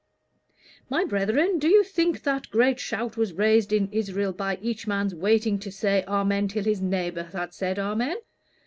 "My brethren, do you think that great shout was raised in Israel by each man's waiting to say 'amen' till his neighbors had said amen?